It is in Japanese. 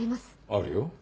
あるよ。